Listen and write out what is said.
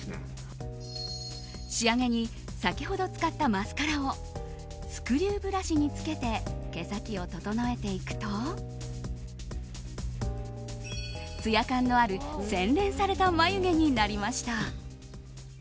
仕上げに先ほど使ったマスカラをスクリューブラシにつけて毛先を整えていくとツヤ感のある洗練された眉毛になりました。